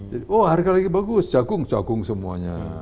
jadi oh harga lagi bagus jagung jagung semuanya